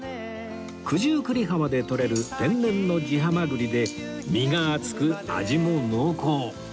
九十九里浜でとれる天然の地ハマグリで身が厚く味も濃厚